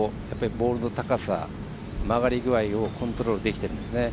ボールの高さ、曲がり具合をコントロールできてるんですね。